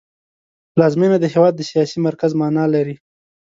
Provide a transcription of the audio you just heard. پلازمېنه د هېواد د سیاسي مرکز مانا لري